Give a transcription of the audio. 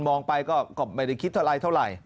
มองไปก็ไม่คิดเท่าไหร่